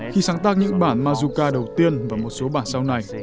khi sáng tác những bản mazuka đầu tiên và một số bản sau này